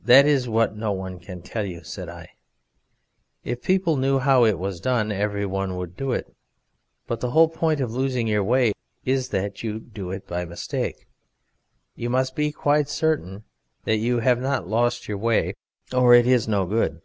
"That is what no one can tell you," said I. "If people knew how it was done everybody would do it, but the whole point of losing your way is that you do it by mistake. You must be quite certain that you have not lost your way or it is no good.